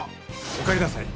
おかえりなさい。